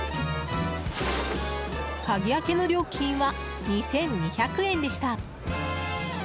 鍵開けの料金は２２００円でした。